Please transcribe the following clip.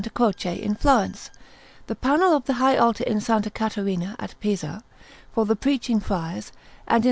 Croce in Florence; the panel of the high altar in S. Caterina at Pisa, for the Preaching Friars; and in S.